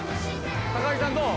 木さんどう？